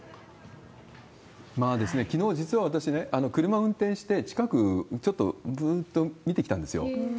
きのう、実は私ね、車を運転して、近くをちょっと、ずーっと見てきたんですよ。